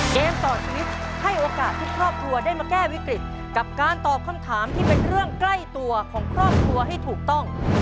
เกมต่อชีวิตให้โอกาสทุกครอบครัวได้มาแก้วิกฤตกับการตอบคำถามที่เป็นเรื่องใกล้ตัวของครอบครัวให้ถูกต้อง